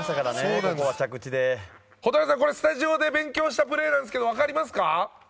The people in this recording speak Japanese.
蛍原さん、スタジオで勉強したプレーですけど分かりますか？